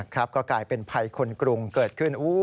ก็กลายเป็นภัยคนกรุงเกิดขึ้น